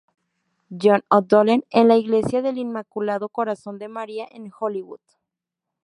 John O'Donnell en la Iglesia del Inmaculado Corazón de María, en Hollywood.